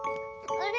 あれ？